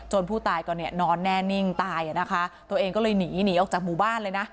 ผู้ตายก็เนี่ยนอนแน่นิ่งตายอ่ะนะคะตัวเองก็เลยหนีหนีออกจากหมู่บ้านเลยนะ